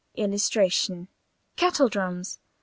[Illustration: KETTLE DRUMS.